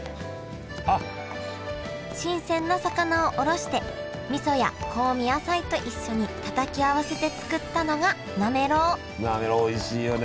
新鮮な魚をおろしてみそや香味野菜と一緒にたたき合わせて作ったのがなめろうおいしいよね。